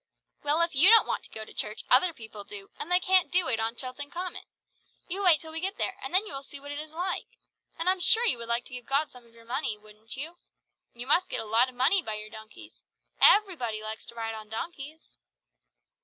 "Well, if you don't want to go to church, other people do; and they can't do it on Chilton Common. You wait till we get there, and then you will see what it is like! And I'm sure you would like to give God some of your money, wouldn't you? You must get a lot of money by your donkeys. Everybody likes to ride on donkeys!"